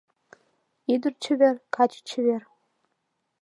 Ӱдыр чевер, каче чевер